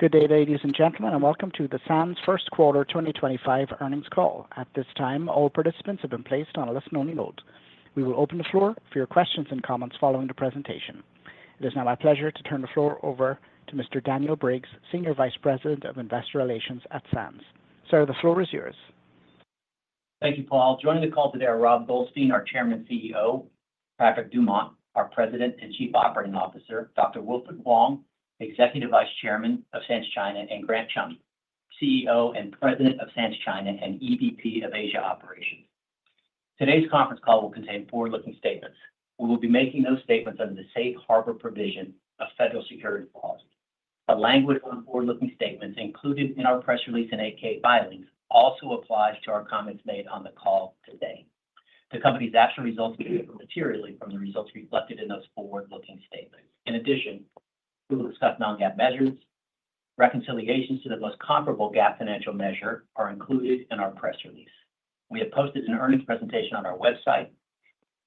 Good day, ladies and gentlemen, and welcome to the Sands First Quarter 2025 earnings call. At this time, all participants have been placed on a listen-only mode. We will open the floor for your questions and comments following the presentation. It is now my pleasure to turn the floor over to Mr. Daniel Briggs, Senior Vice President of Investor Relations at Sands. Sir, the floor is yours. Thank you, Paul. Joining the call today are Rob Goldstein, our Chairman and CEO; Patrick Dumont, our President and Chief Operating Officer; Dr. Wilfred Wong, Executive Vice Chairman of Sands China; and Grant Chum, CEO and President of Sands China and EVP of Asia Operations. Today's conference call will contain forward-looking statements. We will be making those statements under the safe harbor provision of Federal Securities Laws. The language on the forward-looking statements, included in our press release and 8-K filings, also applies to our comments made on the call today. The company's actual results will be differ materially from the results reflected in those forward-looking statements. In addition, we will discuss non-GAAP measures. Reconciliations to the most comparable GAAP financial measure are included in our press release. We have posted an earnings presentation on our website.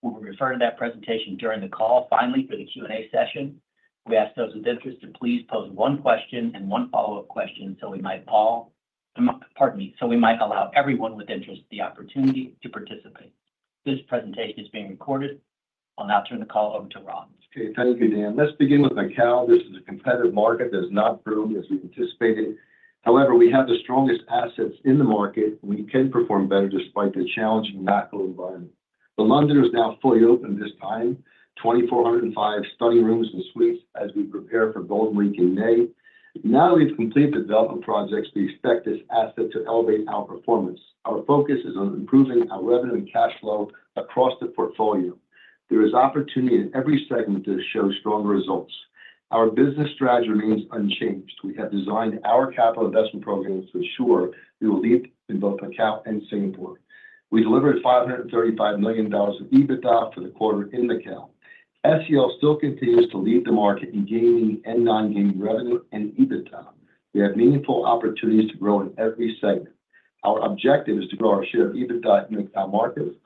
We will refer to that presentation during the call. Finally, for the Q&A session, we ask those with interest to please pose one question and one follow-up question so we might, Paul, pardon me, so we might allow everyone with interest the opportunity to participate. This presentation is being recorded. I'll now turn the call over to Rob. Okay, thank you, Dan. Let's begin with Macao. This is a competitive market that has not improved as we anticipated. However, we have the strongest assets in the market, and we can perform better despite the challenging macro environment. The Londoner is now fully open this time, 2,405 study rooms and suites as we prepare for Golden Week in May. Now that we've completed the development projects, we expect this asset to elevate our performance. Our focus is on improving our revenue and cash flow across the portfolio. There is opportunity in every segment to show stronger results. Our business strategy remains unchanged. We have designed our capital investment programs to ensure we will lead in both Macao and Singapore. We delivered $535 million of EBITDA for the quarter in Macao. SCL still continues to lead the market in gaming and non-gaming revenue and EBITDA. We have meaningful opportunities to grow in every segment. Our objective is to grow our share of EBITDA in Macao markets.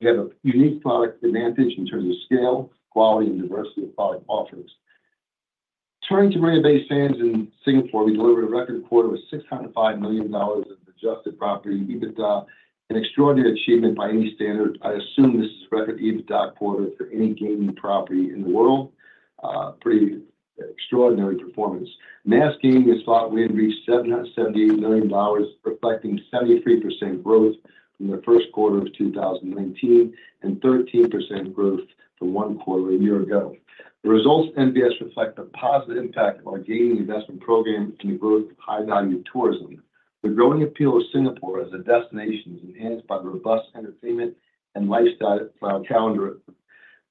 We have a unique product advantage in terms of scale, quality, and diversity of product offerings. Turning to Marina Bay Sands in Singapore, we delivered a record quarter with $605 million of adjusted property EBITDA, an extraordinary achievement by any standard. I assume this is a record EBITDA quarter for any gaming property in the world. Pretty extraordinary performance. Mass gaming is thought we had reached $778 million, reflecting 73% growth from the first quarter of 2019 and 13% growth from one quarter a year ago. The results at MBS reflect the positive impact of our gaming investment program and the growth of high-value tourism. The growing appeal of Singapore as a destination is enhanced by the robust entertainment and lifestyle calendar.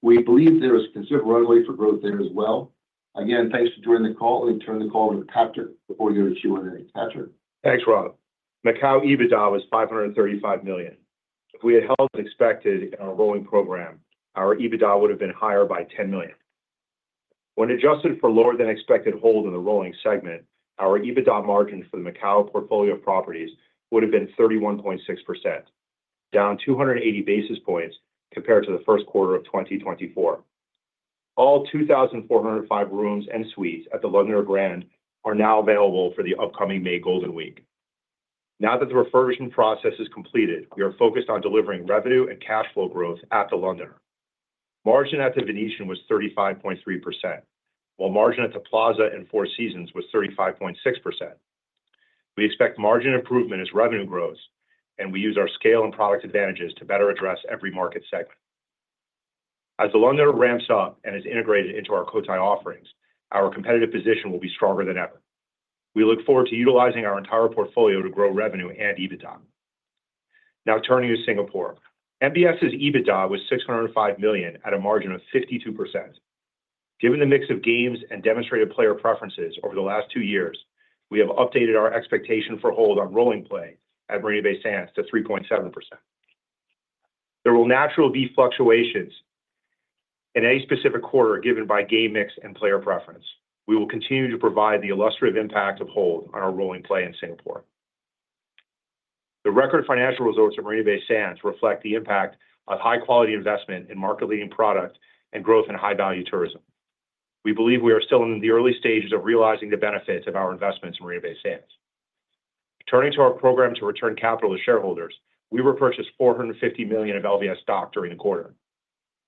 We believe there is considerable runway for growth there as well. Again, thanks for joining the call. Let me turn the call over to Patrick before we go to Q&A. Patrick. Thanks, Rob. Macao EBITDA was $535 million. If we had held as expected in our rolling program, our EBITDA would have been higher by $10 million. When adjusted for lower-than-expected hold in the rolling segment, our EBITDA margin for the Macao portfolio of properties would have been 31.6%, down 280 basis points compared to the first quarter of 2024. All 2,405 rooms and suites at the Londoner Grand are now available for the upcoming May Golden Week. Now that the refurbishment process is completed, we are focused on delivering revenue and cash flow growth at the Londoner. Margin at the Venetian was 35.3%, while margin at the Plaza and Four Seasons was 35.6%. We expect margin improvement as revenue grows, and we use our scale and product advantages to better address every market segment. As The Londoner ramps up and is integrated into our Cotai offerings, our competitive position will be stronger than ever. We look forward to utilizing our entire portfolio to grow revenue and EBITDA. Now turning to Singapore, MBS's EBITDA was $605 million at a margin of 52%. Given the mix of games and demonstrated player preferences over the last two years, we have updated our expectation for hold on rolling play at Marina Bay Sands to 3.7%. There will naturally be fluctuations in any specific quarter given by game mix and player preference. We will continue to provide the illustrative impact of hold on our rolling play in Singapore. The record financial results at Marina Bay Sands reflect the impact of high-quality investment in market-leading product and growth in high-value tourism. We believe we are still in the early stages of realizing the benefits of our investments in Marina Bay Sands. Turning to our program to return capital to shareholders, we repurchased $450 million of LVS stock during the quarter.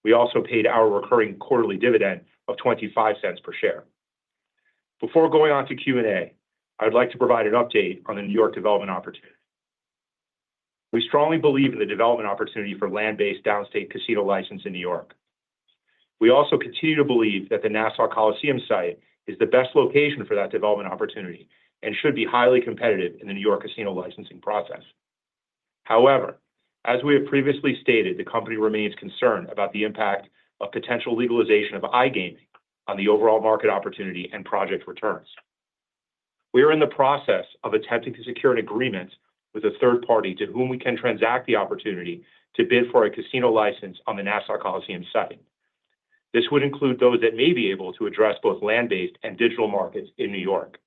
We also paid our recurring quarterly dividend of $0.25 per share. Before going on to Q&A, I would like to provide an update on the New York development opportunity. We strongly believe in the development opportunity for land-based downstate casino license in New York. We also continue to believe that the Nassau Coliseum site is the best location for that development opportunity and should be highly competitive in the New York casino licensing process. However, as we have previously stated, the company remains concerned about the impact of potential legalization of iGaming on the overall market opportunity and project returns. We are in the process of attempting to secure an agreement with a third party to whom we can transact the opportunity to bid for a casino license on the Nassau Coliseum site. This would include those that may be able to address both land-based and digital markets in New York.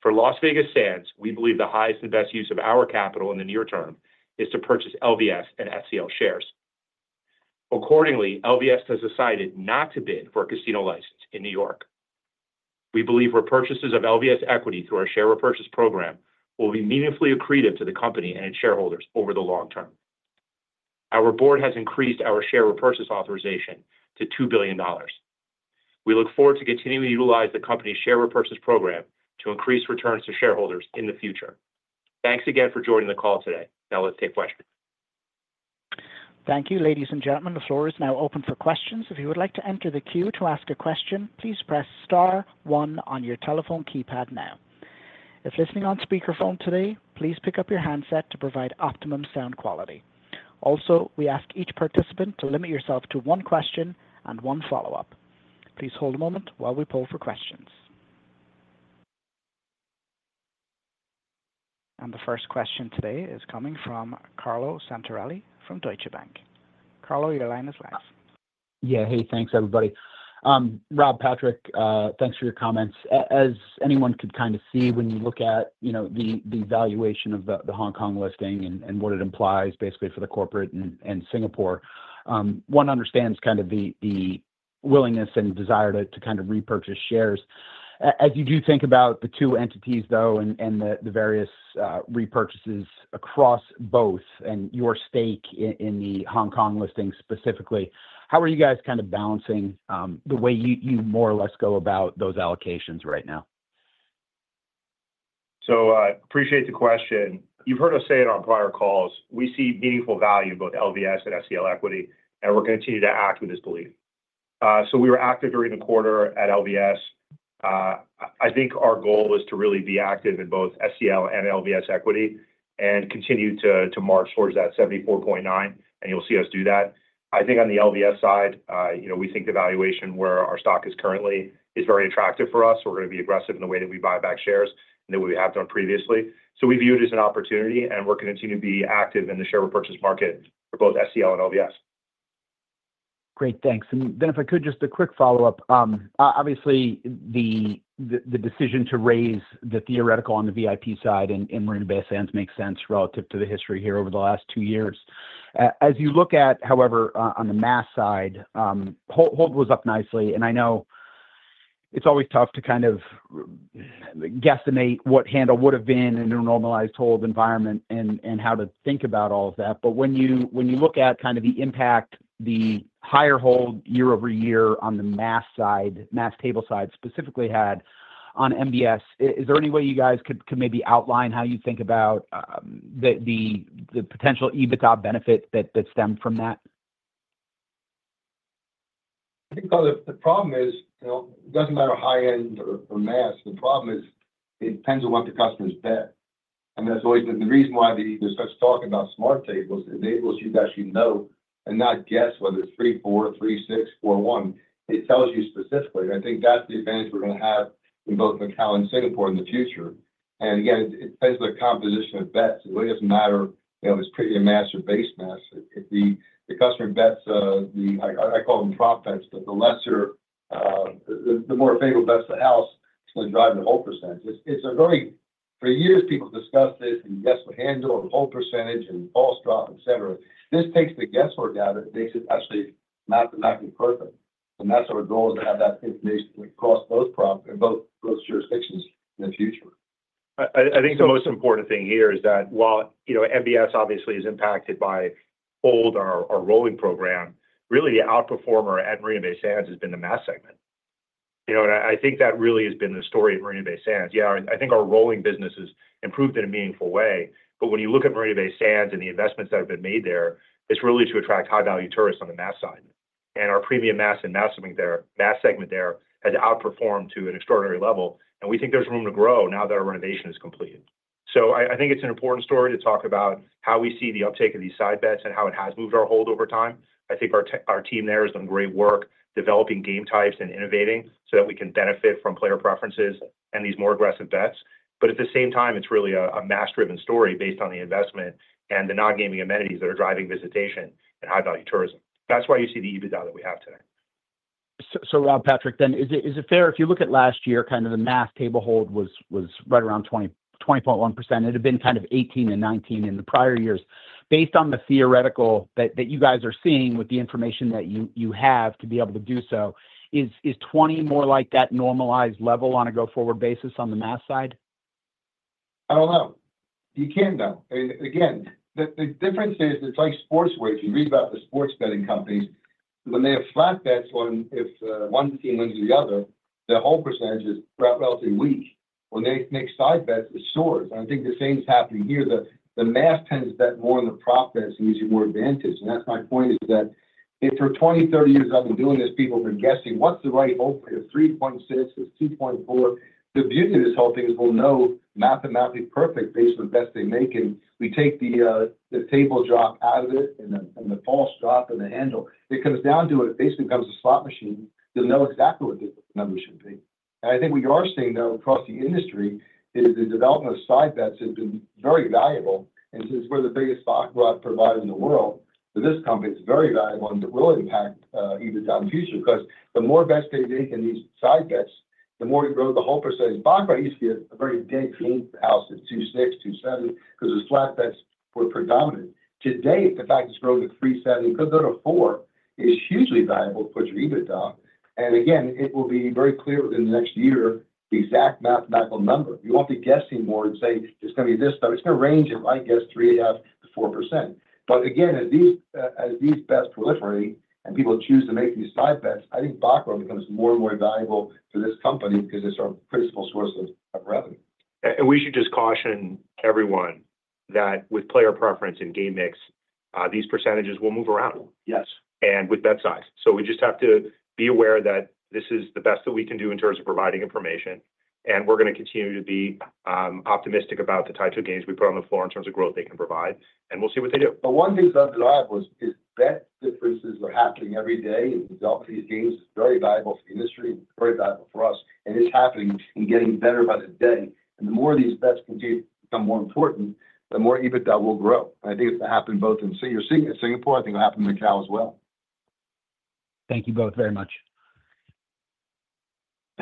For Las Vegas Sands, we believe the highest and best use of our capital in the near term is to purchase LVS and SEL shares. Accordingly, LVS has decided not to bid for a casino license in New York. We believe repurchases of LVS equity through our share repurchase program will be meaningfully accretive to the company and its shareholders over the long term. Our board has increased our share repurchase authorization to $2 billion. We look forward to continuing to utilize the company's share repurchase program to increase returns to shareholders in the future. Thanks again for joining the call today. Now let's take questions. Thank you, ladies and gentlemen. The floor is now open for questions. If you would like to enter the queue to ask a question, please press star one on your telephone keypad now. If listening on speakerphone today, please pick up your handset to provide optimum sound quality. Also, we ask each participant to limit yourself to one question and one follow-up. Please hold a moment while we pull for questions. The first question today is coming from Carlo Santarelli from Deutsche Bank. Carlo, your line is live. Yeah, hey, thanks, everybody. Rob, Patrick, thanks for your comments. As anyone could kind of see when you look at the valuation of the Hong Kong listing and what it implies basically for the corporate and Singapore, one understands kind of the willingness and desire to kind of repurchase shares. As you do think about the two entities, though, and the various repurchases across both and your stake in the Hong Kong listing specifically, how are you guys kind of balancing the way you more or less go about those allocations right now? I appreciate the question. You've heard us say it on prior calls. We see meaningful value in both LVS and SEL equity, and we're going to continue to act with this belief. We were active during the quarter at LVS. I think our goal is to really be active in both SEL and LVS equity and continue to march towards that 74.9, and you'll see us do that. I think on the LVS side, we think the valuation where our stock is currently is very attractive for us. We're going to be aggressive in the way that we buy back shares than we have done previously. We view it as an opportunity, and we're going to continue to be active in the share repurchase market for both SEL and LVS. Great, thanks. If I could, just a quick follow-up. Obviously, the decision to raise the theoretical on the VIP side in Marina Bay Sands makes sense relative to the history here over the last two years. As you look at, however, on the mass side, hold was up nicely. I know it's always tough to kind of guesstimate what handle would have been in a normalized hold environment and how to think about all of that. When you look at kind of the impact the higher hold year over year on the mass side, mass table side specifically had on MBS, is there any way you guys could maybe outline how you think about the potential EBITDA benefit that stemmed from that? I think the problem is it doesn't matter high-end or mass. The problem is it depends on what the customers bet. That's always been the reason why there's such talk about smart tables, it enables you to actually know and not guess whether it's 3, 4, 3, 6, 4, 1. It tells you specifically. I think that's the advantage we're going to have in both Macao and Singapore in the future. Again, it depends on the composition of bets. It really doesn't matter if it's premium or mass or base mass. If the customer bets the, I call them prop bets, but the lesser, the more favourable bets the house is going to drive the hold percentage. For years, people discussed this and guessed the handle or the hold percentage and false drop, etc. This takes the guesswork out. It makes it actually mathematically perfect. That is our goal is to have that information across both jurisdictions in the future. I think the most important thing here is that while MBS obviously is impacted by hold, our rolling program, really the outperformer at Marina Bay Sands has been the mass segment. I think that really has been the story of Marina Bay Sands. Yeah, I think our rolling business has improved in a meaningful way. When you look at Marina Bay Sands and the investments that have been made there, it is really to attract high-value tourists on the mass side. Our premium mass and mass segment there has outperformed to an extraordinary level. We think there is room to grow now that our renovation is completed. I think it is an important story to talk about how we see the uptake of these side bets and how it has moved our hold over time. I think our team there has done great work developing game types and innovating so that we can benefit from player preferences and these more aggressive bets. At the same time, it's really a mass-driven story based on the investment and the non-gaming amenities that are driving visitation and high-value tourism. That's why you see the EBITDA that we have today. Rob, Patrick, then, is it fair if you look at last year, kind of the mass table hold was right around 20.1%? It had been kind of 2018 and 2019 in the prior years. Based on the theoretical that you guys are seeing with the information that you have to be able to do so, is 2020 more like that normalized level on a go-forward basis on the mass side? I don't know. You can't know. Again, the difference is it's like sports wagers. You read about the sports betting companies. When they have flat bets on if one team wins or the other, the hold percentage is relatively weak. When they make side bets, it soars. I think the same is happening here. The mass tends to bet more on the prop bets and gives you more advantage. That's my point is that for 2020, 30 years I've been doing this, people have been guessing, what's the right hold? Is it 3.6%? Is it 2.4%? The beauty of this whole thing is we'll know mathematically perfect based on the bets they make. We take the table drop out of it and the false drop and the handle. It comes down to it. It basically becomes a slot machine. You'll know exactly what the number should be. I think what you are seeing now across the industry is the development of side bets has been very valuable. Since we are the biggest baccarat provider in the world, for this company, it is very valuable and will impact EBITDA in the future. The more bets they make in these side bets, the more you grow the hold percentage. Baccarat provider used to be a very dense game house at 2.6%, 2.7% because the flat bets were predominant. Today, the fact it is growing to 3.7%, it could go to 4%, is hugely valuable to put your EBITDA. It will be very clear within the next year the exact mathematical number. You will not be guessing more and say, "It is going to be this stuff." It is going to range at, I guess, 3.5%-4%. Again, as these bets proliferate and people choose to make these side bets, I think baccarat becomes more and more valuable for this company because it's our principal source of revenue. We should just caution everyone that with player preference and game mix, these percentages will move around. Yes. With bet size. We just have to be aware that this is the best that we can do in terms of providing information. We are going to continue to be optimistic about the types of games we put on the floor in terms of growth they can provide. We will see what they do. One thing's not deniable is bet differences are happening every day. Developing these games is very valuable for the industry, very valuable for us. It's happening and getting better by the day. The more these bets continue to become more important, the more EBITDA will grow. I think it's going to happen both in Singapore. I think it'll happen in Macao as well. Thank you both very much.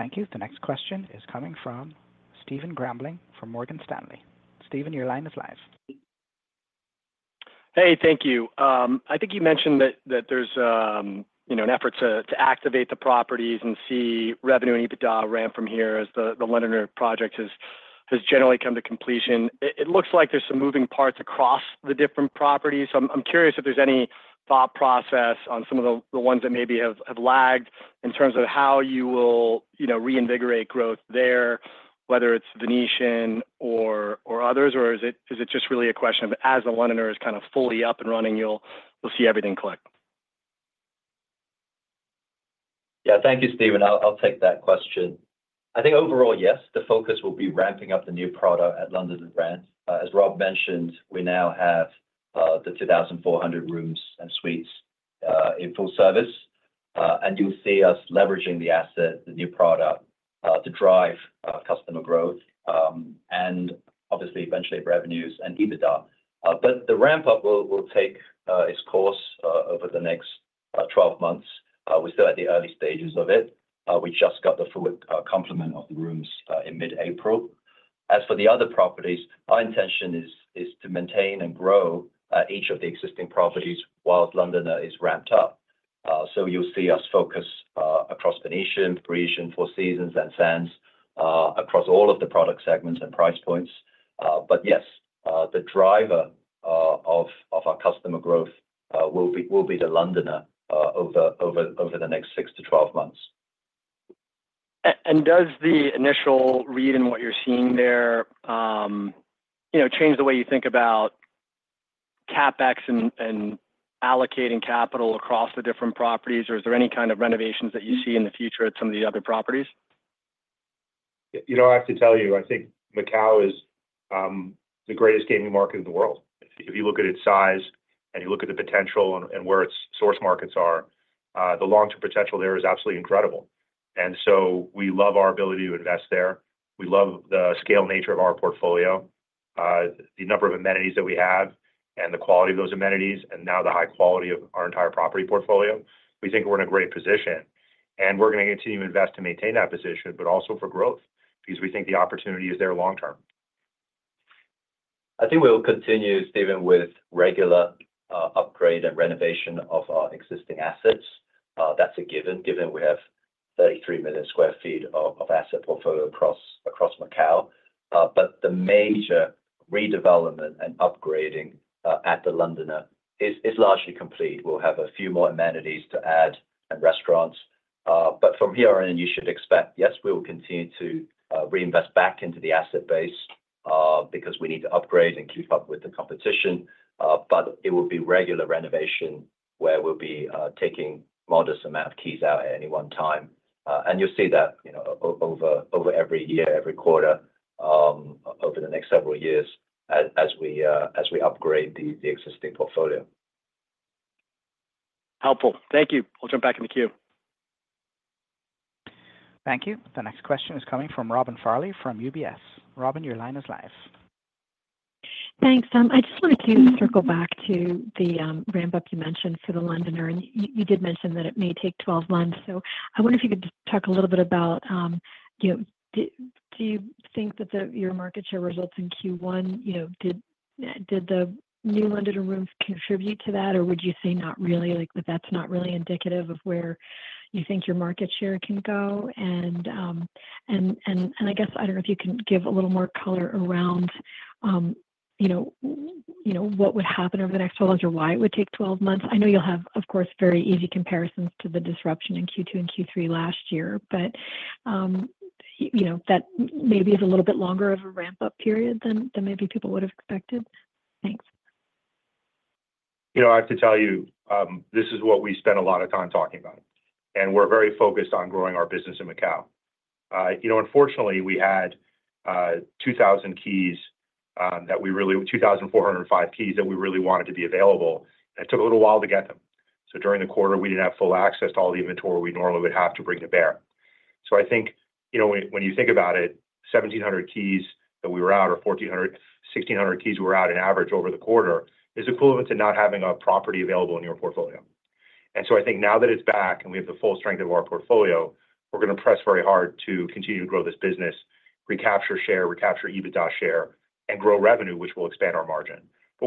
Thank you. The next question is coming from Stephen Grambling from Morgan Stanley. Stephen, your line is live. Hey, thank you. I think you mentioned that there's an effort to activate the properties and see revenue and EBITDA ramp from here as the Londoner project has generally come to completion. It looks like there's some moving parts across the different properties. I'm curious if there's any thought process on some of the ones that maybe have lagged in terms of how you will reinvigorate growth there, whether it's Venetian or others, or is it just really a question of as the Londoner is kind of fully up and running, you'll see everything click? Yeah, thank you, Stephen. I'll take that question. I think overall, yes, the focus will be ramping up the new product at Londoner and Grand. As Rob mentioned, we now have the 2,400 rooms and suites in full service. You'll see us leveraging the asset, the new product to drive customer growth and obviously eventually revenues and EBITDA. The ramp-up will take its course over the next 12 months. We're still at the early stages of it. We just got the full complement of the rooms in mid-April. As for the other properties, our intention is to maintain and grow each of the existing properties whilst Londoner is ramped up. You'll see us focus across Venetian, Parisian, Four Seasons, and Sands across all of the product segments and price points. Yes, the driver of our customer growth will be The Londoner over the next six to 12 months. Does the initial read in what you're seeing there change the way you think about CapEx and allocating capital across the different properties? Is there any kind of renovations that you see in the future at some of the other properties? You know, I have to tell you, I think Macao is the greatest gaming market in the world. If you look at its size and you look at the potential and where its source markets are, the long-term potential there is absolutely incredible. We love our ability to invest there. We love the scale nature of our portfolio, the number of amenities that we have, and the quality of those amenities, and now the high quality of our entire property portfolio. We think we're in a great position. We're going to continue to invest to maintain that position, but also for growth because we think the opportunity is there long-term. I think we'll continue, Stephen, with regular upgrade and renovation of our existing assets. That's a given, given we have 33 million sq ft of asset portfolio across Macao. The major redevelopment and upgrading at The Londoner is largely complete. We'll have a few more amenities to add and restaurants. From here on, you should expect, yes, we will continue to reinvest back into the asset base because we need to upgrade and keep up with the competition. It will be regular renovation where we'll be taking a modest amount of keys out at any one time. You'll see that over every year, every quarter, over the next several years as we upgrade the existing portfolio. Helpful. Thank you. We'll jump back in the queue. Thank you. The next question is coming from Robin Farley from UBS. Robin, your line is live. Thanks. I just wanted to circle back to the ramp-up you mentioned for the Londoner. You did mention that it may take 12 months. I wonder if you could talk a little bit about, do you think that your market share results in Q1, did the new Londoner rooms contribute to that, or would you say not really, that that's not really indicative of where you think your market share can go? I guess, I don't know if you can give a little more color around what would happen over the next 12 months or why it would take 12 months. I know you'll have, of course, very easy comparisons to the disruption in Q2 and Q3 last year, but that maybe is a little bit longer of a ramp-up period than maybe people would have expected. Thanks. I have to tell you, this is what we spend a lot of time talking about. We're very focused on growing our business in Macao. Unfortunately, we had 2,000 keys that we really, 2,405 keys that we really wanted to be available. It took a little while to get them. During the quarter, we didn't have full access to all the inventory we normally would have to bring to bear. I think when you think about it, 1,700 keys that we were out or 1,600 keys we were out in average over the quarter is equivalent to not having a property available in your portfolio. I think now that it's back and we have the full strength of our portfolio, we're going to press very hard to continue to grow this business, recapture share, recapture EBITDA share, and grow revenue, which will expand our margin.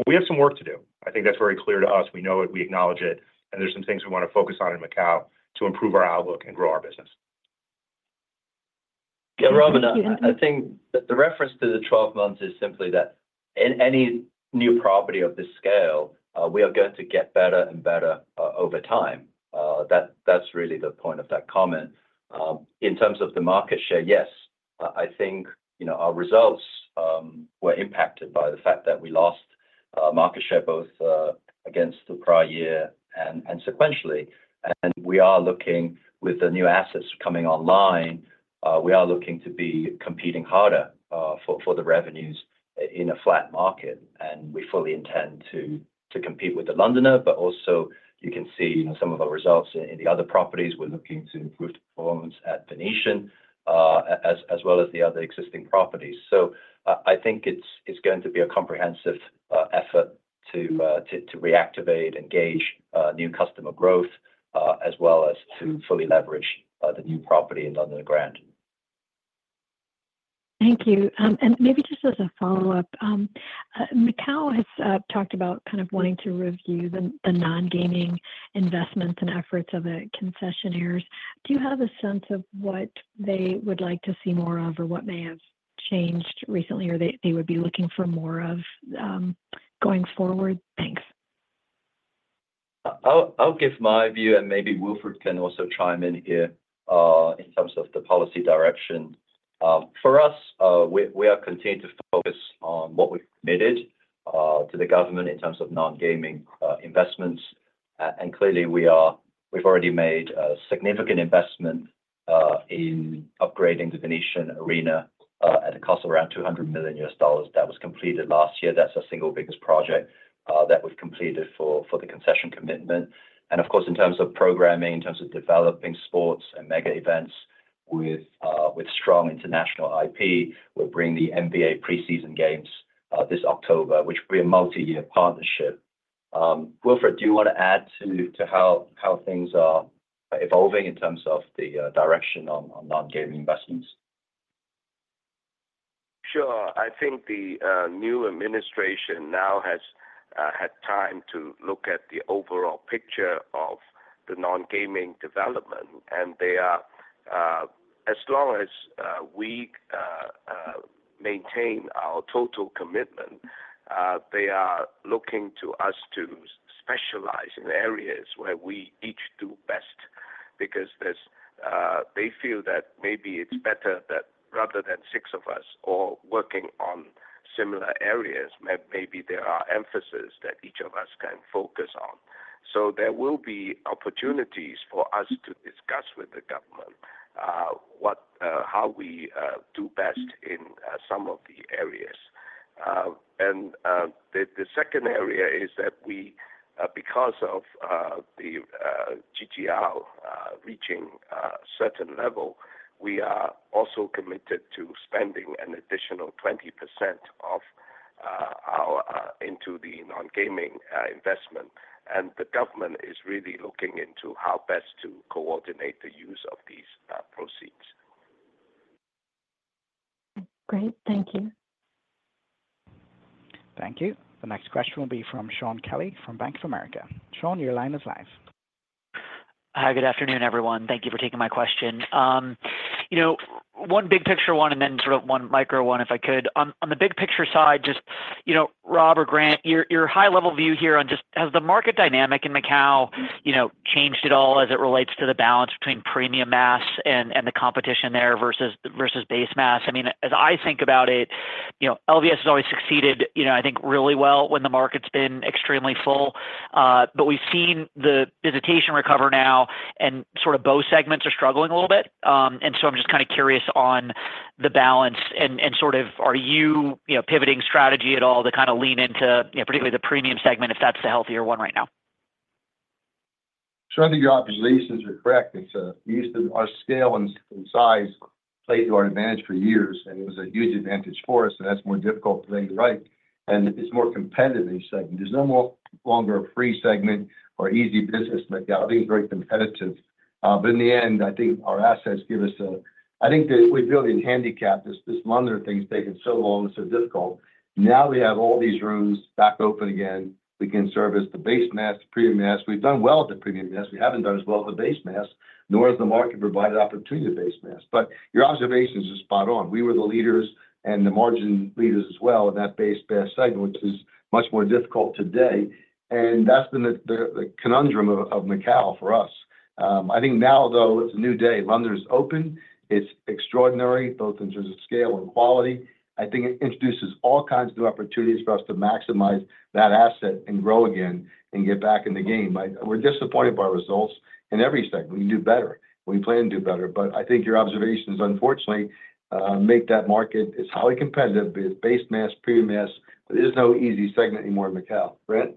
We have some work to do. I think that's very clear to us. We know it. We acknowledge it. There's some things we want to focus on in Macao to improve our outlook and grow our business. Yeah, Robin, I think the reference to the 12 months is simply that any new property of this scale, we are going to get better and better over time. That is really the point of that comment. In terms of the market share, yes, I think our results were impacted by the fact that we lost market share both against the prior year and sequentially. We are looking, with the new assets coming online, to be competing harder for the revenues in a flat market. We fully intend to compete with the Londoner. You can also see some of our results in the other properties. We are looking to improve performance at Venetian as well as the other existing properties. I think it's going to be a comprehensive effort to reactivate, engage new customer growth, as well as to fully leverage the new property in Londoner Grand. Thank you. Maybe just as a follow-up, Macao has talked about kind of wanting to review the non-gaming investments and efforts of the concessionaires. Do you have a sense of what they would like to see more of or what may have changed recently or they would be looking for more of going forward? Thanks. I'll give my view, and maybe Wilfred can also chime in here in terms of the policy direction. For us, we are continuing to focus on what we've committed to the government in terms of non-gaming investments. Clearly, we've already made a significant investment in upgrading the Venetian Arena at a cost of around $200 million that was completed last year. That's our single biggest project that we've completed for the concession commitment. Of course, in terms of programming, in terms of developing sports and mega events with strong international IP, we're bringing the NBA Preseason Games this October, which will be a multi-year partnership. Wilfred, do you want to add to how things are evolving in terms of the direction on non-gaming investments? Sure. I think the new administration now has had time to look at the overall picture of the non-gaming development. As long as we maintain our total commitment, they are looking to us to specialize in areas where we each do best. They feel that maybe it's better that rather than six of us all working on similar areas, maybe there are emphases that each of us can focus on. There will be opportunities for us to discuss with the government how we do best in some of the areas. The second area is that because of the GGR reaching a certain level, we are also committed to spending an additional 20% of our into the non-gaming investment. The government is really looking into how best to coordinate the use of these proceeds. Great. Thank you. Thank you. The next question will be from Shaun Kelley from Bank of America. Shaun, your line is live. Hi, good afternoon, everyone. Thank you for taking my question. One big picture one and then sort of one micro one if I could. On the big picture side, just Rob or Grant, your high-level view here on just has the market dynamic in Macao changed at all as it relates to the balance between premium mass and the competition there versus base mass? I mean, as I think about it, LVS has always succeeded, I think, really well when the market's been extremely full. We've seen the visitation recover now, and sort of both segments are struggling a little bit. I'm just kind of curious on the balance. Are you pivoting strategy at all to kind of lean into particularly the premium segment if that's the healthier one right now? Shaun, I think your observations are correct. Our scale and size played to our advantage for years, and it was a huge advantage for us. That is more difficult to bring to light. It is more competitive in these segments. There is no longer a free segment or easy business in Macao. I think it is very competitive. In the end, I think our assets give us a—I think that we have really handicapped this Londoner thing that has taken so long and so difficult. Now we have all these rooms back open again. We can service the base mass, the premium mass. We have done well at the premium mass. We have not done as well at the base mass, nor has the market provided opportunity at the base mass. Your observations are spot on. We were the leaders and the margin leaders as well in that base mass segment, which is much more difficult today. That has been the conundrum of Macao for us. I think now, though, it is a new day. Londoner is open. It is extraordinary, both in terms of scale and quality. I think it introduces all kinds of new opportunities for us to maximize that asset and grow again and get back in the game. We are disappointed by our results in every segment. We can do better. We plan to do better. I think your observations, unfortunately, make that market is highly competitive, but it is base mass, premium mass. There is no easy segment anymore in Macao. Grant?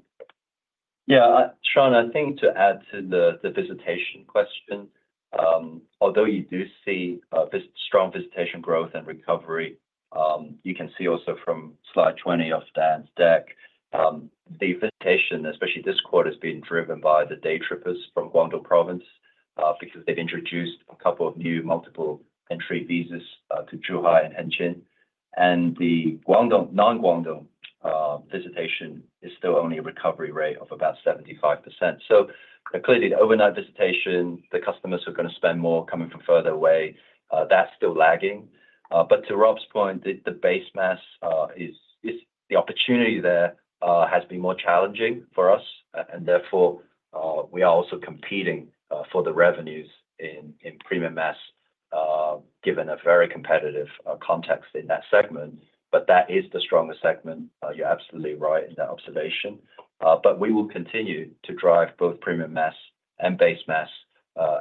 Yeah, Shaun, I think to add to the visitation question, although you do see strong visitation growth and recovery, you can see also from slide 20 of Dan's deck, the visitation, especially this quarter, has been driven by the day trippers from Guangdong Province because they've introduced a couple of new multiple entry visas to Zhuhai and Hengqin. The non-Guangdong visitation is still only a recovery rate of about 75%. Clearly, the overnight visitation, the customers who are going to spend more coming from further away, that's still lagging. To Rob's point, the base mass is the opportunity there has been more challenging for us. Therefore, we are also competing for the revenues in premium mass given a very competitive context in that segment. That is the strongest segment. You're absolutely right in that observation. We will continue to drive both premium mass and base mass,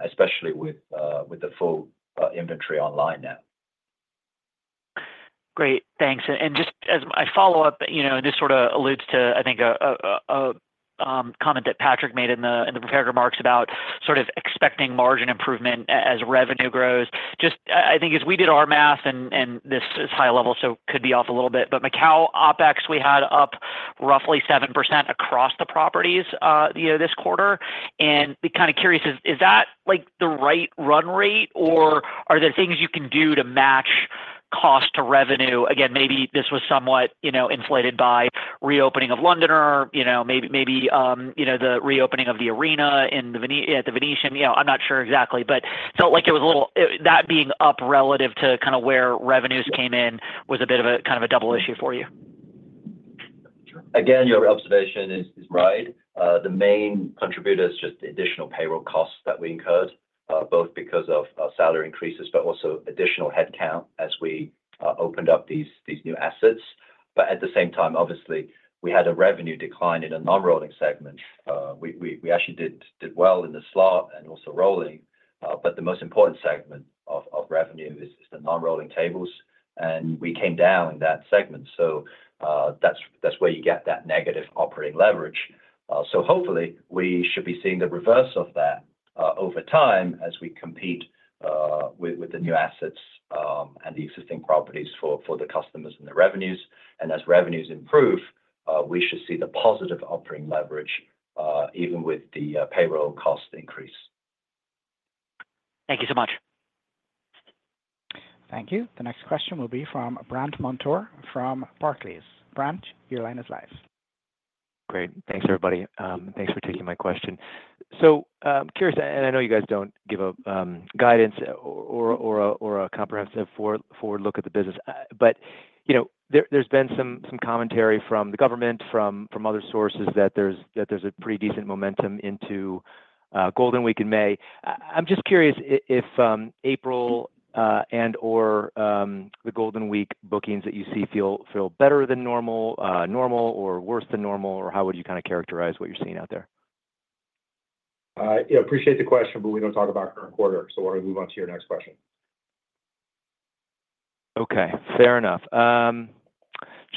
especially with the full inventory online now. Great. Thanks. Just as I follow up, this sort of alludes to, I think, a comment that Patrick made in the prepared remarks about sort of expecting margin improvement as revenue grows. Just I think as we did our math, and this is high level, so it could be off a little bit. Macao OPEX, we had up roughly 7% across the properties this quarter. Kind of curious, is that the right run rate, or are there things you can do to match cost to revenue? Again, maybe this was somewhat inflated by reopening of The Londoner, maybe the reopening of the arena at The Venetian. I'm not sure exactly, but felt like it was a little that being up relative to kind of where revenues came in was a bit of a kind of a double issue for you. Again, your observation is right. The main contributor is just the additional payroll costs that we incurred, both because of salary increases, but also additional headcount as we opened up these new assets. At the same time, obviously, we had a revenue decline in the non-rolling segment. We actually did well in the slot and also rolling. The most important segment of revenue is the non-rolling tables. We came down in that segment. That is where you get that negative operating leverage. Hopefully, we should be seeing the reverse of that over time as we compete with the new assets and the existing properties for the customers and the revenues. As revenues improve, we should see the positive operating leverage even with the payroll cost increase. Thank you so much. Thank you. The next question will be from Brandt Montour from Barclays. Brandt, your line is live. Great. Thanks, everybody. Thanks for taking my question. I am curious, and I know you guys do not give guidance or a comprehensive forward look at the business, but there has been some commentary from the government, from other sources that there is a pretty decent momentum into Golden Week in May. I am just curious if April and/or the Golden Week bookings that you see feel better than normal or worse than normal, or how would you kind of characterize what you are seeing out there? I appreciate the question, but we don't talk about current quarter. Why don't we move on to your next question? Okay. Fair enough.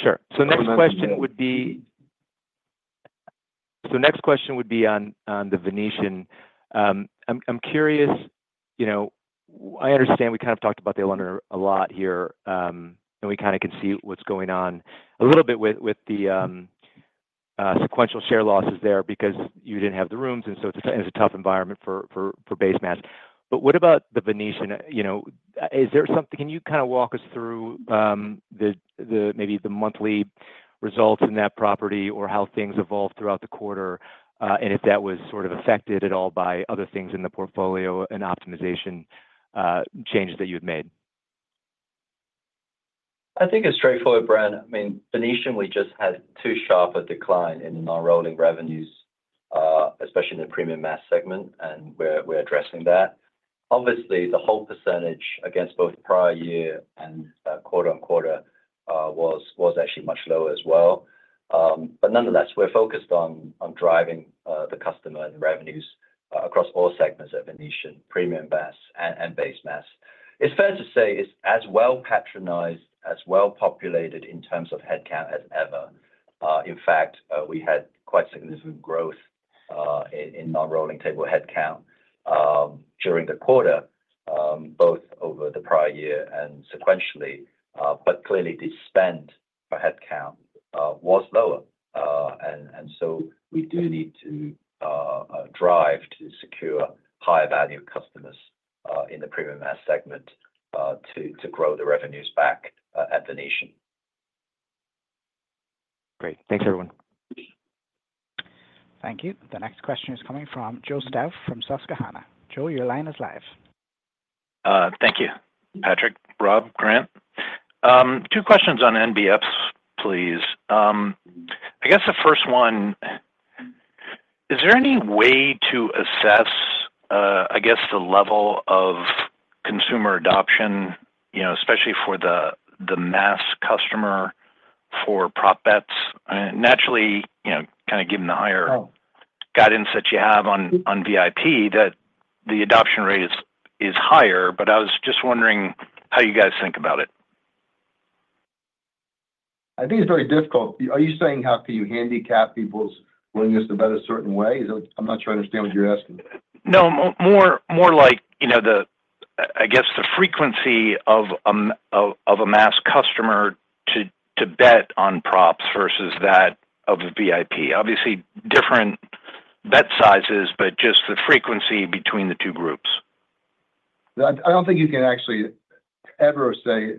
Sure. Next question would be on the Venetian. I'm curious, I understand we kind of talked about the Londoner a lot here, and we kind of can see what's going on a little bit with the sequential share losses there because you didn't have the rooms, and so it's a tough environment for base mass. What about the Venetian? Can you kind of walk us through maybe the monthly results in that property or how things evolved throughout the quarter and if that was sort of affected at all by other things in the portfolio and optimization changes that you had made? I think it's straightforward, Brandt. I mean, Venetian, we just had too sharp a decline in the non-rolling revenues, especially in the premium mass segment, and we're addressing that. Obviously, the hold percentage against both prior year and quarter on quarter was actually much lower as well. Nonetheless, we're focused on driving the customer and revenues across all segments of Venetian, premium mass and base mass. It's fair to say it's as well patronized, as well populated in terms of headcount as ever. In fact, we had quite significant growth in non-rolling table headcount during the quarter, both over the prior year and sequentially. Clearly, the spend for headcount was lower. We do need to drive to secure higher value customers in the premium mass segment to grow the revenues back at Venetian. Great. Thanks, everyone. Thank you. The next question is coming from Joseph Stauff from Susquehanna. Joseph, your line is live. Thank you, Patrick, Rob, Grant. Two questions on MBS, please. I guess the first one, is there any way to assess, I guess, the level of consumer adoption, especially for the mass customer for prop bets? Naturally, kind of given the higher guidance that you have on VIP, that the adoption rate is higher, but I was just wondering how you guys think about it. I think it's very difficult. Are you saying how can you handicap people's willingness to bet a certain way? I'm not sure I understand what you're asking. No, more like, I guess, the frequency of a mass customer to bet on props versus that of a VIP. Obviously, different bet sizes, but just the frequency between the two groups. I don't think you can actually ever say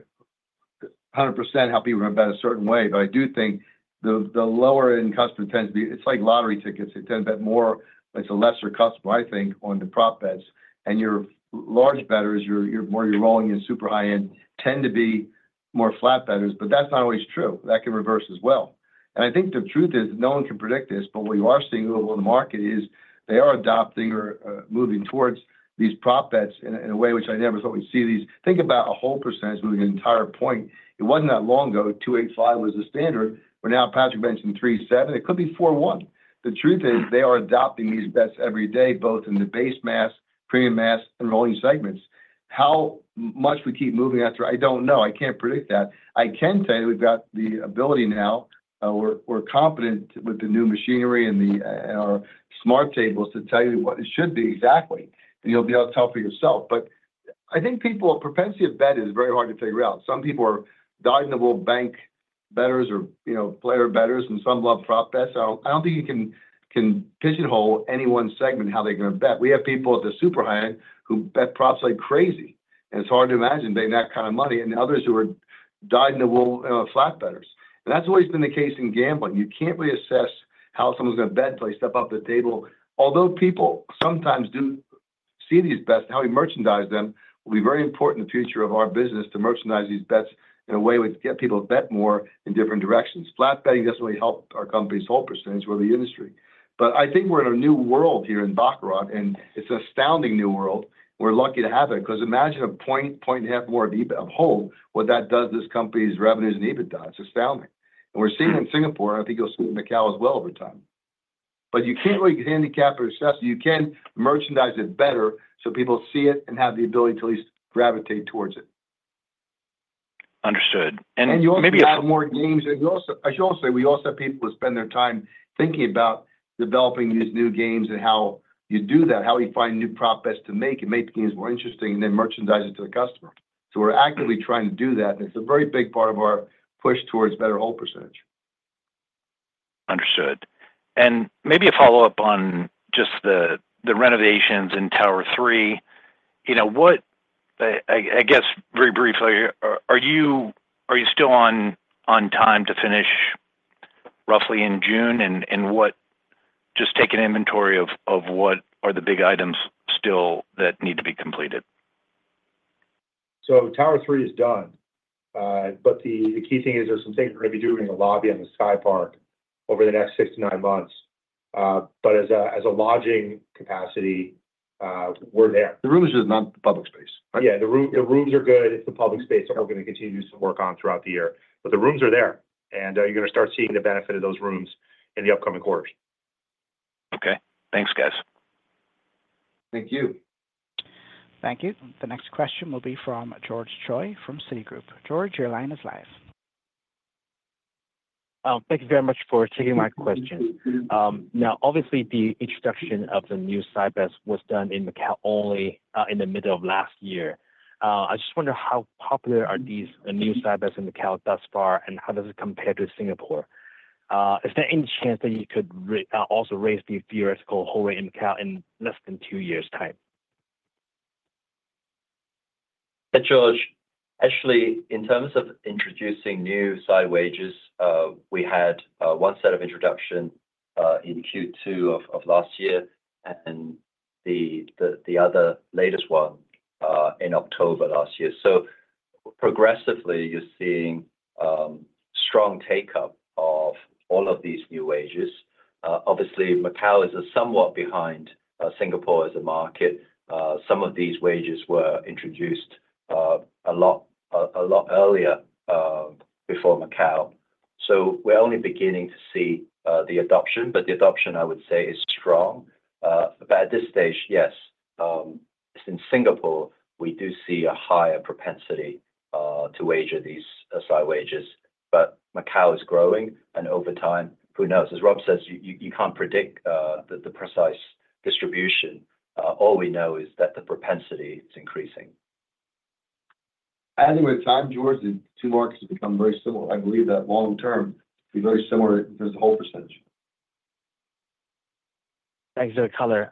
100% how people are going to bet a certain way. I do think the lower-end customer tends to be, it's like lottery tickets. They tend to bet more. It's a lesser customer, I think, on the prop bets. Your large betters, your more, your rolling in super high-end, tend to be more flat betters. That's not always true. That can reverse as well. I think the truth is, no one can predict this, but what you are seeing over in the market is they are adopting or moving towards these prop bets in a way which I never thought we'd see these. Think about a hold percentage moving an entire point. It wasn't that long ago, 285 was the standard. We're now, Patrick mentioned, 37. It could be 41. The truth is, they are adopting these bets every day, both in the base mass, premium mass, and rolling segments. How much we keep moving after, I don't know. I can't predict that. I can tell you we've got the ability now. We're competent with the new machinery and our smart tables to tell you what it should be exactly. And you'll be able to tell for yourself. I think people are propensity of bet is very hard to figure out. Some people are dodging the whole bank betters or player betters, and some love prop bets. I don't think you can pigeonhole any one segment how they're going to bet. We have people at the super high end who bet props like crazy. It's hard to imagine they have that kind of money. Others who are dodging the whole flat betters. That's always been the case in gambling. You can't really assess how someone's going to bet until they step up the table. Although people sometimes do see these bets, how we merchandise them will be very important in the future of our business to merchandise these bets in a way to get people to bet more in different directions. Flat betting doesn't really help our company's hold percentage or the industry. I think we're in a new world here in Baccarat, and it's an astounding new world. We're lucky to have it because imagine a point, point and a half more of hold. What that does to this company's revenues and EBITDA. It's astounding. We're seeing in Singapore, and I think you'll see in Macao as well over time. You can't really handicap or assess. You can merchandise it better so people see it and have the ability to at least gravitate towards it. Understood. You also have. Maybe a lot more games. I should also say, we also have people who spend their time thinking about developing these new games and how you do that, how we find new prop bets to make and make games more interesting and then merchandise it to the customer. We are actively trying to do that. It is a very big part of our push towards better hold percentage. Understood. Maybe a follow-up on just the renovations in Tower 3. I guess, very briefly, are you still on time to finish roughly in June? Just take an inventory of what are the big items still that need to be completed? Tower 3 is done. The key thing is there's some things we're going to be doing in the lobby and the Sky Park over the next six to nine months. As a lodging capacity, we're there. The rooms are not the public space, right? Yeah. The rooms are good. It is the public space that we are going to continue to work on throughout the year. The rooms are there. You are going to start seeing the benefit of those rooms in the upcoming quarters. Okay. Thanks, guys. Thank you. Thank you. The next question will be from George Choi from Citigroup. George, your line is live. Thank you very much for taking my question. Now, obviously, the introduction of the new side bets was done in Macao only in the middle of last year. I just wonder how popular are these new side bets in Macao thus far, and how does it compare to Singapore? Is there any chance that you could also raise the theoretical hold rate in Macao in less than two years' time? Hi, George. Actually, in terms of introducing new side wagers, we had one set of introduction in Q2 of last year and the other latest one in October last year. Progressively, you're seeing strong take-up of all of these new wagers. Obviously, Macao is somewhat behind Singapore as a market. Some of these wagers were introduced a lot earlier before Macao. We're only beginning to see the adoption. The adoption, I would say, is strong. At this stage, yes, in Singapore, we do see a higher propensity to wager these side wagers. Macao is growing. Over time, who knows? As Rob says, you can't predict the precise distribution. All we know is that the propensity is increasing. As with time, George, the two markets have become very similar. I believe that long term, it'll be very similar in terms of hold percentage. Thanks for the color.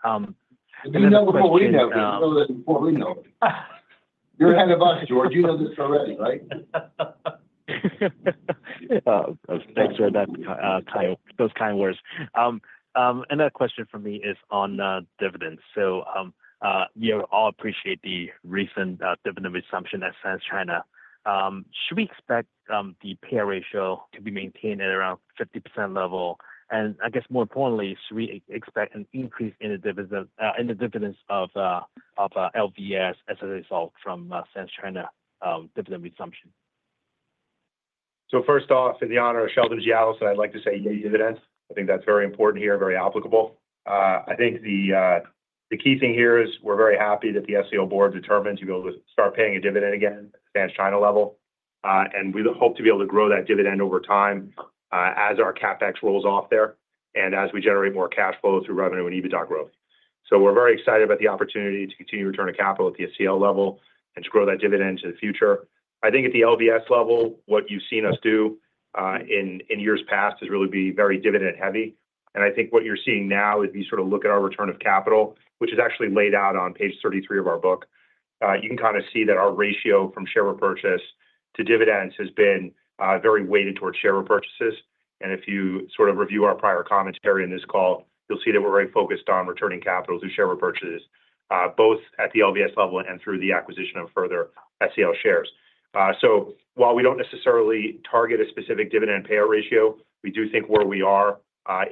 You know the whole thing. You know the whole thing. You're ahead of us, George. You know this already, right? Thanks for those kind words. Another question for me is on dividends. We all appreciate the recent dividend resumption at Sands China. Should we expect the payout ratio to be maintained at around the 50% level? I guess, more importantly, should we expect an increase in the dividends of LVS as a result from Sands China dividend resumption? First off, in the honor of Sheldon Adelson, I'd like to say yay dividends. I think that's very important here, very applicable. I think the key thing here is we're very happy that the SEL board determined to be able to start paying a dividend again at the Sands China level. We hope to be able to grow that dividend over time as our CapEx rolls off there and as we generate more cash flow through revenue and EBITDA growth. We're very excited about the opportunity to continue return to capital at the SEL level and to grow that dividend to the future. I think at the LVS level, what you've seen us do in years past has really been very dividend heavy. I think what you're seeing now is we sort of look at our return of capital, which is actually laid out on page 33 of our book. You can kind of see that our ratio from share repurchase to dividends has been very weighted towards share repurchases. If you sort of review our prior commentary in this call, you'll see that we're very focused on returning capital to share repurchases, both at the LVS level and through the acquisition of further SEL shares. We do not necessarily target a specific dividend pay ratio. We do think where we are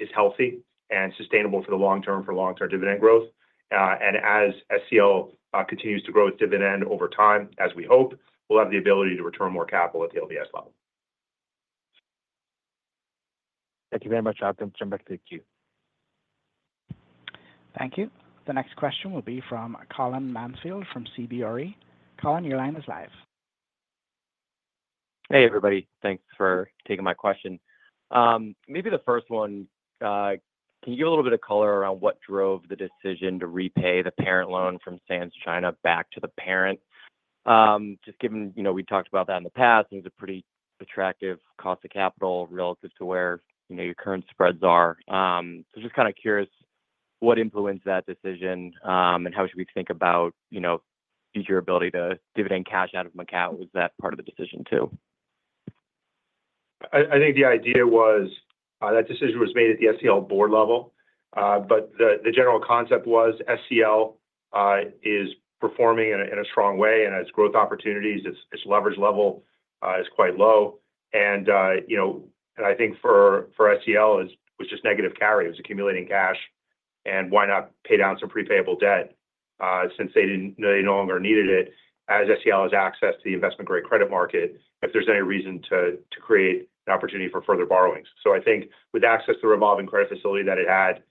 is healthy and sustainable for the long term for long-term dividend growth. As SEL continues to grow its dividend over time, as we hope, we'll have the ability to return more capital at the LVS level. Thank you very much, Adam. Sheldon, thank you. Thank you. The next question will be from Colin Mansfield from CBRE. Colin, your line is live. Hey, everybody. Thanks for taking my question. Maybe the first one, can you give a little bit of color around what drove the decision to repay the parent loan from Sands China back to the parent? Just given we talked about that in the past, it was a pretty attractive cost of capital relative to where your current spreads are. Just kind of curious what influenced that decision and how should we think about your ability to dividend cash out of Macao? Was that part of the decision too? I think the idea was that decision was made at the SEL board level. The general concept was SEL is performing in a strong way. As growth opportunities, its leverage level is quite low. I think for SEL, it was just negative carry. It was accumulating cash. Why not pay down some prepayable debt since they no longer needed it as SEL has access to the investment-grade credit market, if there's any reason to create an opportunity for further borrowings? I think with access to the revolving credit facility that it had,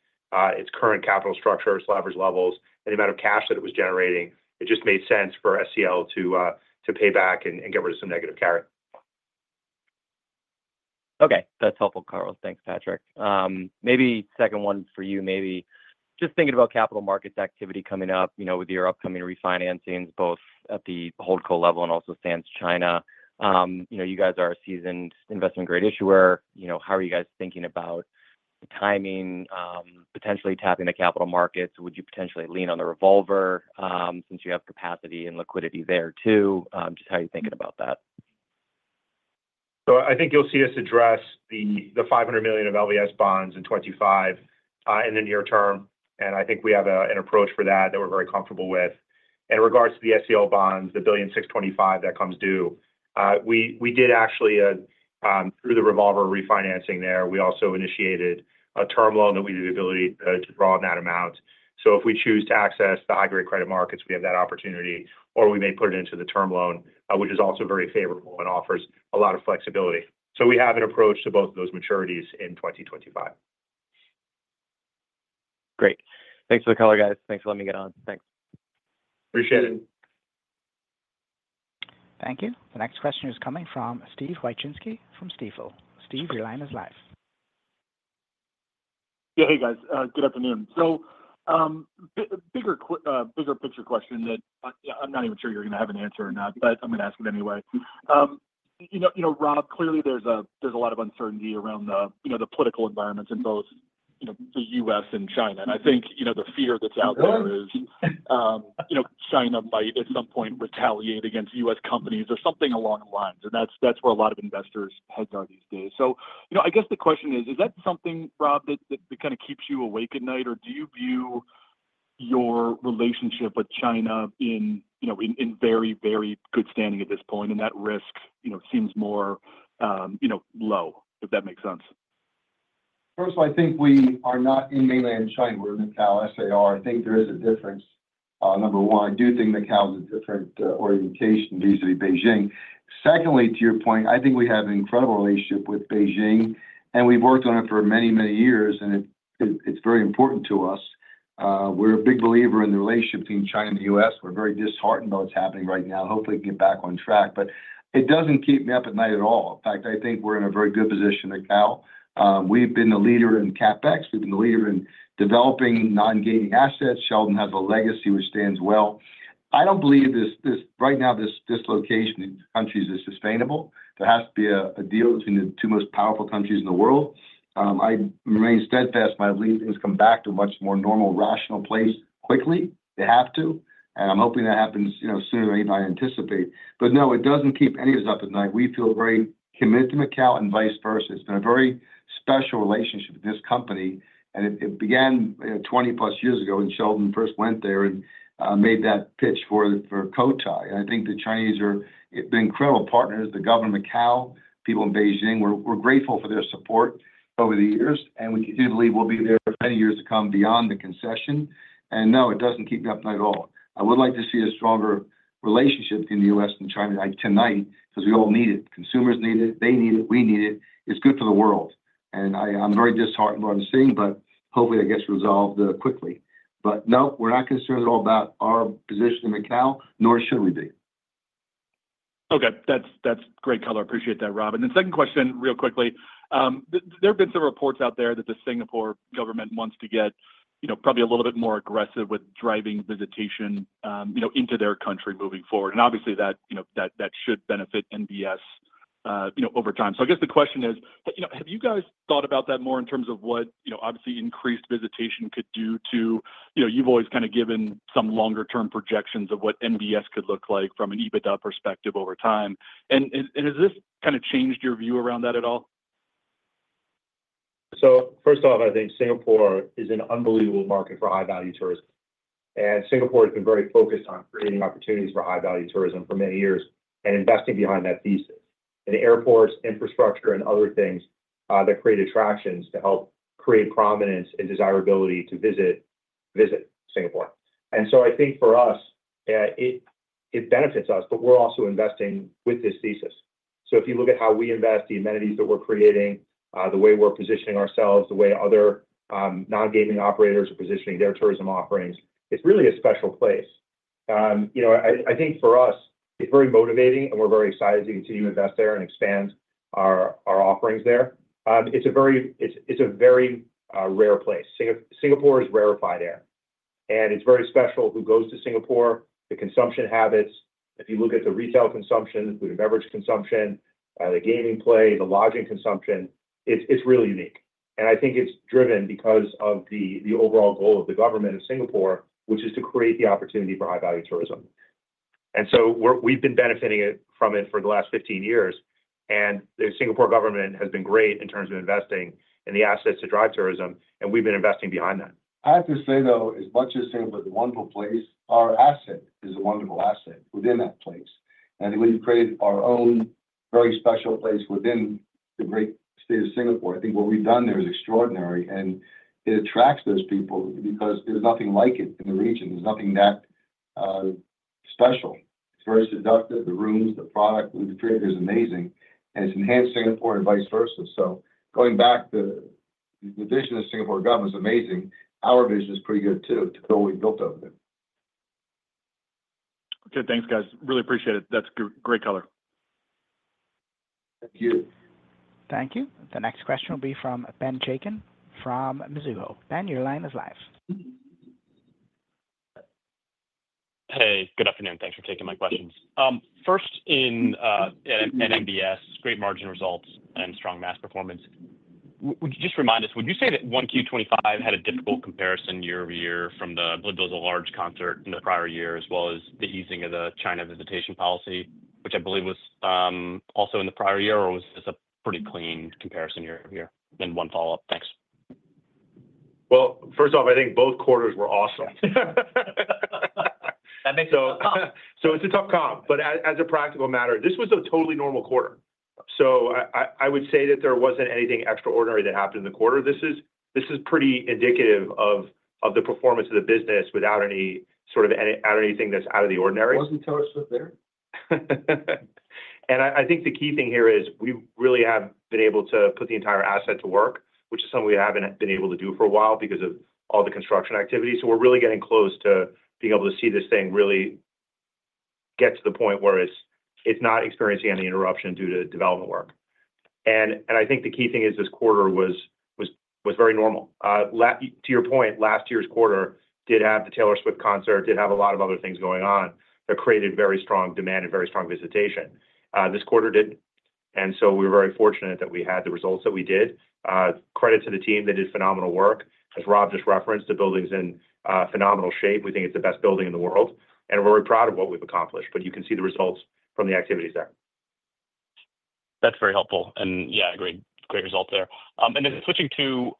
its current capital structure, its leverage levels, and the amount of cash that it was generating, it just made sense for SEL to pay back and get rid of some negative carry. Okay. That's helpful, Carlo. Thanks, Patrick. Maybe second one for you, maybe just thinking about capital markets activity coming up with your upcoming refinancings, both at the hold co level and also Sands China. You guys are a seasoned investment-grade issuer. How are you guys thinking about the timing, potentially tapping the capital markets? Would you potentially lean on the revolver since you have capacity and liquidity there too? Just how are you thinking about that? I think you'll see us address the $500 million of LVS bonds in 2025 in the near term. I think we have an approach for that that we're very comfortable with. In regards to the SEL bonds, the $1.625 billion that comes due, we did actually, through the revolver refinancing there, we also initiated a term loan that we have the ability to draw on that amount. If we choose to access the high-grade credit markets, we have that opportunity, or we may put it into the term loan, which is also very favorable and offers a lot of flexibility. We have an approach to both of those maturities in 2025. Great. Thanks for the call, guys. Thanks for letting me get on. Thanks. Appreciate it. Thank you. The next question is coming from Steven Wieczynski from Stifel. Steven, your line is live. Yeah. Hey, guys. Good afternoon. Bigger picture question that I'm not even sure you're going to have an answer or not, but I'm going to ask it anyway. You know, Rob, clearly there's a lot of uncertainty around the political environments in both the U.S. and China. I think the fear that's out there is China might at some point retaliate against U.S. companies or something along the lines. That's where a lot of investors' heads are these days. I guess the question is, is that something, Rob, that kind of keeps you awake at night? Or do you view your relationship with China in very, very good standing at this point, and that risk seems more low, if that makes sense? First of all, I think we are not in mainland China. We're in Macao SAR. I think there is a difference. Number one, I do think Macao is a different orientation vis-à-vis Beijing. Secondly, to your point, I think we have an incredible relationship with Beijing, and we've worked on it for many, many years, and it's very important to us. We're a big believer in the relationship between China and the U.S. We're very disheartened by what's happening right now. Hopefully, we can get back on track. It doesn't keep me up at night at all. In fact, I think we're in a very good position at Macao. We've been the leader in CapEx. We've been the leader in developing non-gaming assets. Sheldon has a legacy which stands well. I don't believe right now this dislocation in countries is sustainable. There has to be a deal between the two most powerful countries in the world. I remain steadfast, but I believe things come back to a much more normal, rational place quickly. They have to. I am hoping that happens sooner than I anticipate. No, it does not keep any of us up at night. We feel very committed to Macao and vice versa. It has been a very special relationship with this company. It began 20-plus years ago when Sheldon first went there and made that pitch for Cotai. I think the Chinese have been incredible partners. The government of Macao, people in Beijing, we are grateful for their support over the years. We continue to believe we will be there for many years to come beyond the concession. No, it does not keep me up at night at all. I would like to see a stronger relationship between the U.S. and China tonight because we all need it. Consumers need it. They need it. We need it. It is good for the world. I am very disheartened by what I am seeing, hopefully, that gets resolved quickly. No, we are not concerned at all about our position in Macao, nor should we be. Okay. That's great color. Appreciate that, Rob. Second question, real quickly, there have been some reports out there that the Singapore government wants to get probably a little bit more aggressive with driving visitation into their country moving forward. Obviously, that should benefit MBS over time. I guess the question is, have you guys thought about that more in terms of what obviously increased visitation could do to—you've always kind of given some longer-term projections of what MBS could look like from an EBITDA perspective over time. Has this kind of changed your view around that at all? First off, I think Singapore is an unbelievable market for high-value tourism. Singapore has been very focused on creating opportunities for high-value tourism for many years and investing behind that thesis. Airports, infrastructure, and other things that create attractions help create prominence and desirability to visit Singapore. I think for us, it benefits us, but we're also investing with this thesis. If you look at how we invest, the amenities that we're creating, the way we're positioning ourselves, the way other non-gaming operators are positioning their tourism offerings, it's really a special place. I think for us, it's very motivating, and we're very excited to continue to invest there and expand our offerings there. It's a very rare place. Singapore is rarefied air. It's very special who goes to Singapore, the consumption habits. If you look at the retail consumption, the beverage consumption, the gaming play, the lodging consumption, it's really unique. I think it's driven because of the overall goal of the government of Singapore, which is to create the opportunity for high-value tourism. We have been benefiting from it for the last 15 years. The Singapore government has been great in terms of investing in the assets to drive tourism, and we have been investing behind that. I have to say, though, as much as Singapore is a wonderful place, our asset is a wonderful asset within that place. I think we have created our own very special place within the great state of Singapore. I think what we have done there is extraordinary. It attracts those people because there is nothing like it in the region. There is nothing that special. It is very seductive. The rooms, the product, the food, it's amazing. It has enhanced Singapore and vice versa. Going back, the vision of the Singapore government is amazing. Our vision is pretty good too, to what we've built over there. Okay. Thanks, guys. Really appreciate it. That's great color. Thank you. Thank you. The next question will be from Ben Chaiken from Mizuho. Ben, your line is live. Hey, good afternoon. Thanks for taking my questions. First, in MBS, great margin results and strong mass performance. Would you just remind us, would you say that 1Q 2025 had a difficult comparison year over year from the Blackpink large concert in the prior year, as well as the easing of the China visitation policy, which I believe was also in the prior year? Or was this a pretty clean comparison year over year? One follow-up. Thanks. First off, I think both quarters were awesome. That makes a lot of sense. It's a tough comp. As a practical matter, this was a totally normal quarter. I would say that there wasn't anything extraordinary that happened in the quarter. This is pretty indicative of the performance of the business without any sort of anything that's out of the ordinary. Wasn't Taylor Swift there? I think the key thing here is we really have been able to put the entire asset to work, which is something we haven't been able to do for a while because of all the construction activity. We're really getting close to being able to see this thing really get to the point where it's not experiencing any interruption due to development work. I think the key thing is this quarter was very normal. To your point, last year's quarter did have the Taylor Swift concert, did have a lot of other things going on that created very strong demand and very strong visitation. This quarter didn't. We were very fortunate that we had the results that we did. Credit to the team. They did phenomenal work. As Rob just referenced, the building's in phenomenal shape. We think it's the best building in the world. We are very proud of what we have accomplished. You can see the results from the activities there. That's very helpful. Yeah, great result there. Switching to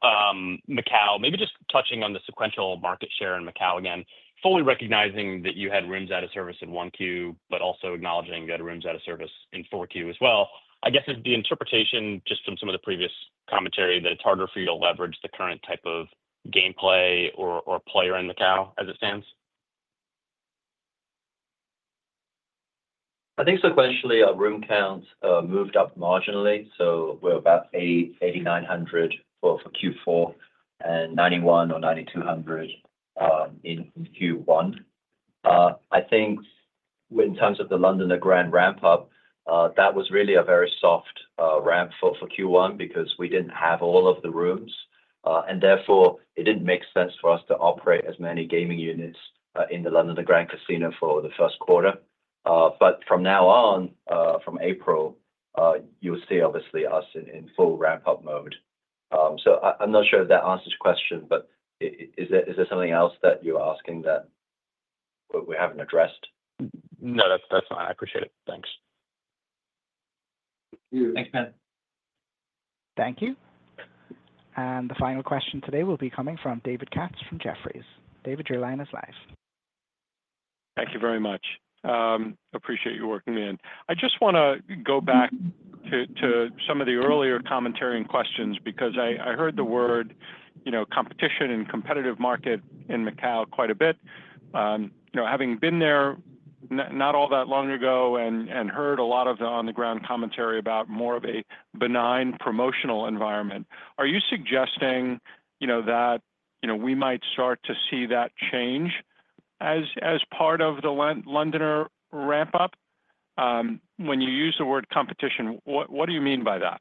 Macao, maybe just touching on the sequential market share in Macao again, fully recognizing that you had rooms out of service in Q1, but also acknowledging you had rooms out of service in Q4 as well. I guess is the interpretation just from some of the previous commentary that it's harder for you to leverage the current type of gameplay or player in Macao as it stands? I think sequentially, our room counts moved up marginally. So we're about 8,900 for Q4 and 9,100 or 9,200 in Q1. I think in terms of the Londoner Grand ramp-up, that was really a very soft ramp for Q1 because we didn't have all of the rooms. And therefore, it didn't make sense for us to operate as many gaming units in the Londoner Grand Casino for the first quarter. But from now on, from April, you'll see obviously us in full ramp-up mode. I'm not sure if that answers your question, but is there something else that you're asking that we haven't addressed? No, that's fine. I appreciate it. Thanks. Thank you. Thanks, Ben. Thank you. The final question today will be coming from David Katz from Jefferies. David, your line is live. Thank you very much. Appreciate you working in. I just want to go back to some of the earlier commentary and questions because I heard the word competition and competitive market in Macao quite a bit. Having been there not all that long ago and heard a lot of the on-the-ground commentary about more of a benign promotional environment, are you suggesting that we might start to see that change as part of the Londoner ramp-up? When you use the word competition, what do you mean by that?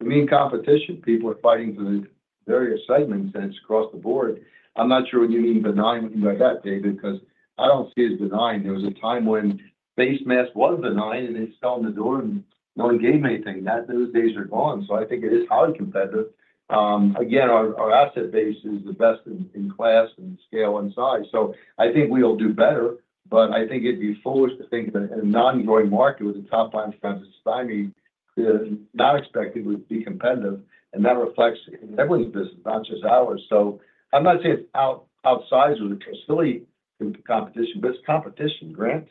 You mean competition. People are fighting for the very excitement sense across the board. I'm not sure what you mean benign when you write that, David, because I don't see it as benign. There was a time when Base Mass were benign, and they just fell on the door and no one gave them anything. Those days are gone. I think it is highly competitive. Again, our asset base is the best in class and scale and size. I think we'll do better, but I think it'd be foolish to think that in a non-growing market with a top line of transit society that is not expected would be competitive. That reflects everyone's business, not just ours. I'm not saying it's outsized or it's a silly competition, but it's competition, Grant.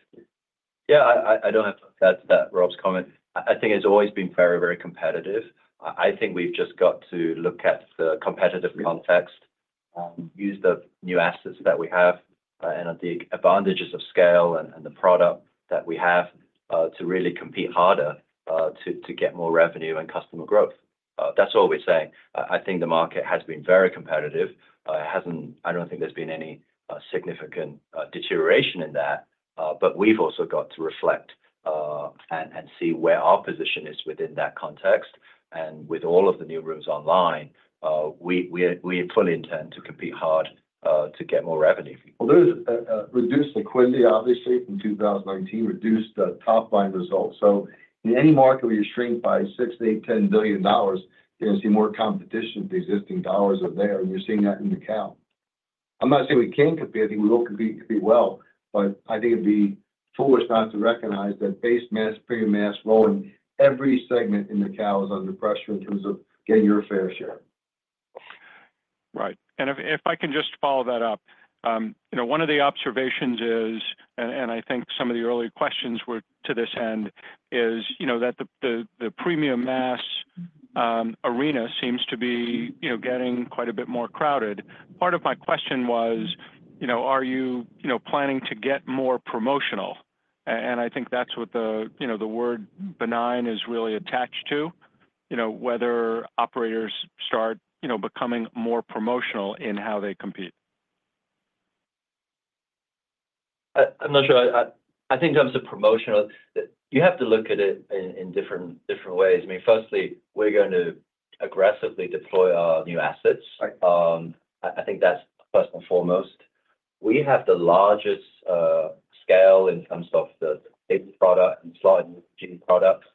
Yeah. I do not have to add to that, Rob's comment. I think it has always been very, very competitive. I think we have just got to look at the competitive context, use the new assets that we have, and the advantages of scale and the product that we have to really compete harder to get more revenue and customer growth. That is all we are saying. I think the market has been very competitive. I do not think there has been any significant deterioration in that. We have also got to reflect and see where our position is within that context. With all of the new rooms online, we fully intend to compete hard to get more revenue. Those reduced liquidity, obviously, from 2019, reduced the top line results. In any market where you shrink by $6 billion-$8 billion-$10 billion, you're going to see more competition if the existing dollars are there. You're seeing that in Macao. I'm not saying we can't compete. I think we will compete well. I think it'd be foolish not to recognize that face masks, premium mass, rolling, every segment in Macao is under pressure in terms of getting your fair share. Right. If I can just follow that up, one of the observations is, and I think some of the earlier questions were to this end, is that the premium mass arena seems to be getting quite a bit more crowded. Part of my question was, are you planning to get more promotional? I think that's what the word benign is really attached to, whether operators start becoming more promotional in how they compete. I'm not sure. I think in terms of promotional, you have to look at it in different ways. I mean, firstly, we're going to aggressively deploy our new assets. I think that's first and foremost. We have the largest scale in terms of the big product and slot and ETG product.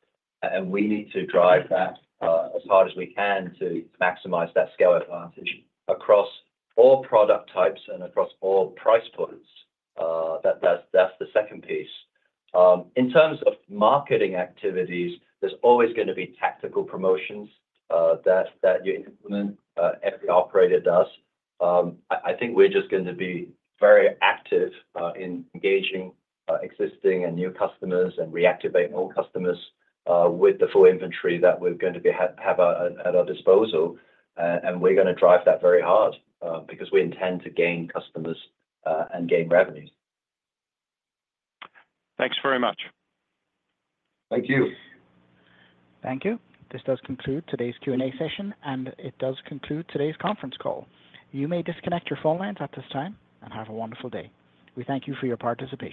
We need to drive that as hard as we can to maximize that scale advantage across all product types and across all price points. That's the second piece. In terms of marketing activities, there's always going to be tactical promotions that you implement, every operator does. I think we're just going to be very active in engaging existing and new customers and reactivating old customers with the full inventory that we're going to have at our disposal. We are going to drive that very hard because we intend to gain customers and gain revenue. Thanks very much. Thank you. Thank you. This does conclude today's Q&A session, and it does conclude today's conference call. You may disconnect your phone lines at this time and have a wonderful day. We thank you for your participation.